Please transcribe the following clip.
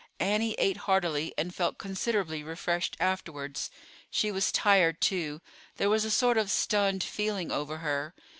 Annie ate heartily, and felt considerably refreshed afterwards. She was tired too; there was a sort of stunned feeling over her.